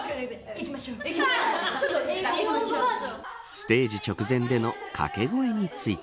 ステージ直前での掛け声について。